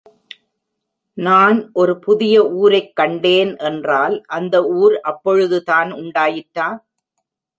நான் ஒரு புதிய ஊரைக் கண்டேன் என்றால் அந்த ஊர் அப்பொழுதுதான் உண்டாயிற்றா?